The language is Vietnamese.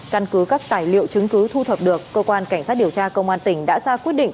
căn cứ các tài liệu chứng cứ thu thập được cơ quan cảnh sát điều tra công an tỉnh đã ra quyết định